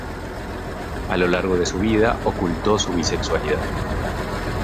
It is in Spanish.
A lo largo de su vida ocultó su bisexualidad.